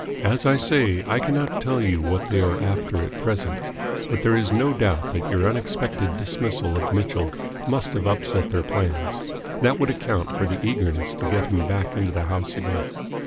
As I say, I cannot tell you what they are after at present, but there is no doubt that your unexpected dismissal of Mitchell must have upset their plans. That would account for the eagerness to get him back into the house again."